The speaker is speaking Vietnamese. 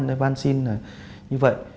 nói như vậy